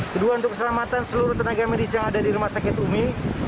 kedua untuk keselamatan seluruh tenaga medis yang ada di rumah sakit umi